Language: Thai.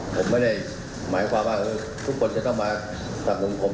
ผมไม่ได้หมายความว่าทุกคนจะต้องมาสับมุมผม